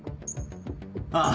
ああ。